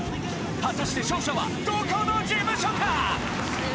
果たして勝者はどこの事務所か！